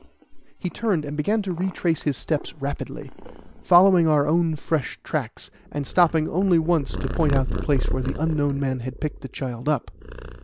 He turned, and began to retrace his steps rapidly, following our own fresh tracks, and stopping only once to point out the place where the unknown man had picked the child up.